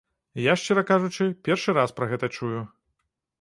Я, шчыра кажучы, першы раз пра гэта чую.